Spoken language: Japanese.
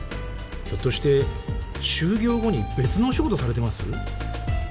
ひょっとして終業後に別のお仕事されてます？